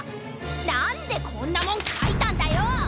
なんでこんなもんかいたんだよ！